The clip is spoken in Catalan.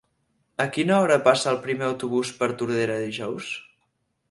A quina hora passa el primer autobús per Tordera dijous?